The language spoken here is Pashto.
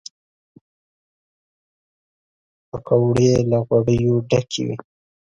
پکورې له غوړیو ډکې وي